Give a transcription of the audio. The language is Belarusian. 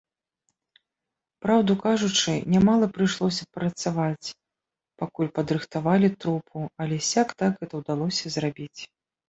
Праўду кажучы, нямала прыйшлося папрацаваць, пакуль падрыхтавалі трупу, але сяк-так гэта ўдалося зрабіць.